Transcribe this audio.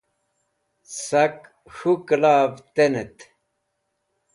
sak k̃hu kla've tenat